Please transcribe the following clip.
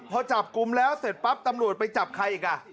พอจับกลุ่มแล้วเสร็จปั๊บตำรวจไปจับใครอีกอ่ะ